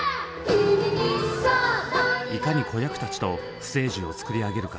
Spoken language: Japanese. いかに子役たちとステージを作り上げるか。